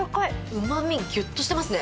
うまみ、ぎゅっとしてますね。